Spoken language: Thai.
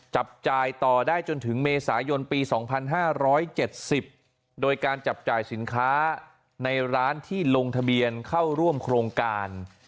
จับจ่ายต่อได้จนถึงเมษายนปี๒๕๗๐โดยการจับจ่ายสินค้าในร้านที่ลงทะเบียนเข้าร่วมโครงการ